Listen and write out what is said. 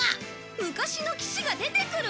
昔の騎士が出てくる！？